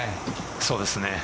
そうですね。